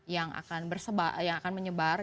yang akan bersebar yang akan menyebar